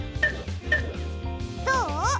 どう？